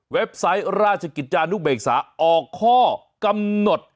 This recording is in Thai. ไซต์ราชกิจจานุเบกษาออกข้อกำหนด